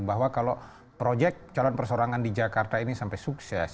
bahwa kalau proyek calon persorangan di jakarta ini sampai sukses